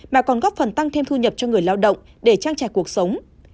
mà còn góp phần tăng thêm thu nhập cho người lao động để trang trải cuộc sống